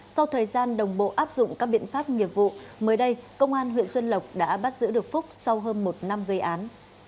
sau thời gian đồng bộ áp dụng các biện pháp nghiệp vụ mới đây công an huyện xuân lộc đã bắt giữ được phúc sau hơn một năm gây án